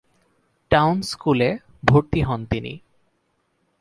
Town স্কুলে ভর্তি হন তিনি।